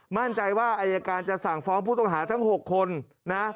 มั่นใจว่าอายการจะสั่งฟ้องผู้ต้องหาทั้ง๖คนนะ